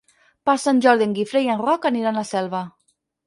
Per Sant Jordi en Guifré i en Roc aniran a Selva.